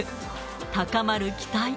高まる期待。